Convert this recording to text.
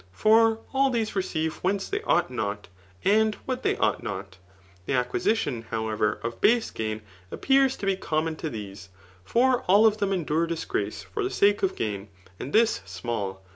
For all these receive whence they ought not, and what they ought not The acquisition, however, of base gain appears to be oommon to these ; for all of them aidure disgrace for the sake of gain, and this onall.